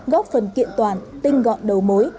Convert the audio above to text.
góp phần kiện toàn tinh gọn đầu mối